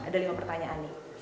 ada lima pertanyaan nih